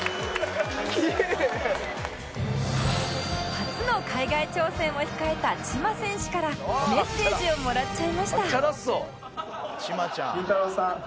初の海外挑戦を控えたチマ選手からメッセージをもらっちゃいました